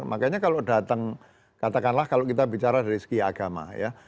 makanya kalau datang katakanlah kalau kita bicara dari segi agama ya